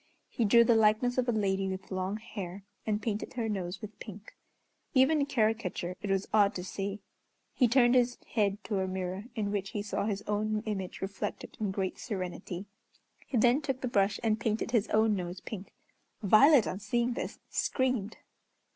He drew the likeness of a lady with long hair, and painted her nose with pink. Even in caricature it was odd to see. He turned his head to a mirror in which he saw his own image reflected in great serenity. He then took the brush and painted his own nose pink. Violet, on seeing this, screamed.